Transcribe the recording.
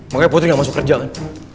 makanya putri gak masuk kerja kan